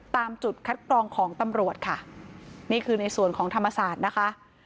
ตามจุดคัดกรองของตำรวจค่ะนี่คือในส่วนของธรรมศาสตร์นะคะ